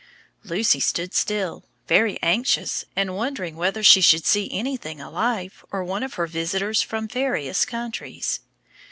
Lucy stood still; very anxious, and wondering whether she should see anything alive, or one of her visitors from various countries.